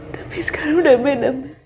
tapi sekarang udah beda